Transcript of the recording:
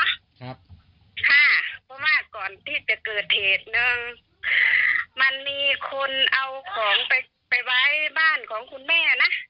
ครับค่ะเพราะว่าก่อนที่จะเกิดเหตุหนึ่งมันมีคนเอาของไปไปไว้บ้านของคุณแม่นะ